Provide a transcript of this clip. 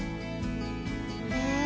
へえ。